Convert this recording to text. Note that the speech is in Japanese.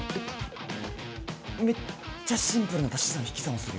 めっちゃシンプルな足し算引き算をするよ